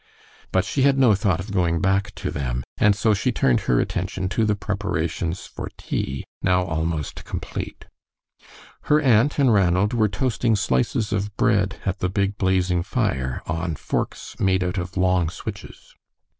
But she had no thought of going back to them, and so she turned her attention to the preparations for tea, now almost complete. Her aunt and Ranald were toasting slices of bread at the big blazing fire, on forks made out of long switches.